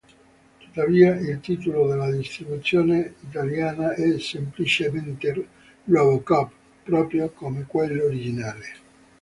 Tuttavia, il titolo della distribuzione italiana è semplicemente "RoboCop", proprio come quello originale.